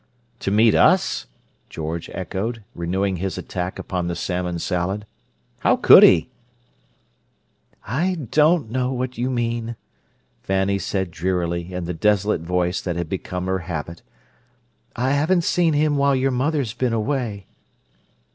"To meet us?" George echoed, renewing his attack upon the salmon salad. "How could he?" "I don't know what you mean," Fanny said drearily, in the desolate voice that had become her habit. "I haven't seen him while your mother's been away."